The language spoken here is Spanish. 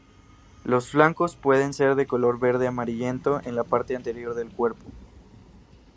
Los flancos pueden ser de color verde amarillento en la parte anterior del cuerpo.